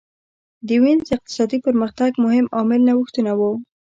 د وینز اقتصادي پرمختګ مهم عامل نوښتونه وو